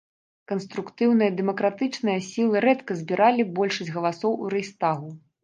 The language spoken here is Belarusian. Канструктыўныя дэмакратычныя сілы рэдка збіралі большасць галасоў у рэйхстагу.